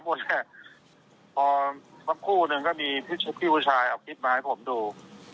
พอบางคู่หนึ่งก็มีพี่ผู้ชายเอาคลิปมาให้ผมดู